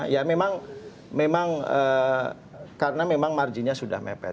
ya memang karena memang marginnya sudah mepet